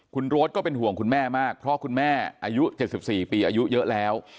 คุณโรดก็เป็นห่วงคุณแม่มากเพราะคุณแม่อายุ๗๔ปีอายุเยอะแล้ว